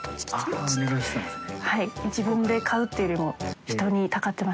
あっお願いしてたんですね。